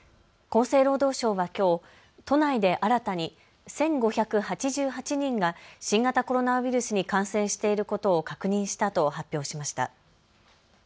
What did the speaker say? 厚生労働省はきょう都内で新たに１５８８人が新型コロナウイルスに感染していることを確認したと発表しました。